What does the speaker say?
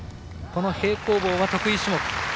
この平行棒は得意種目。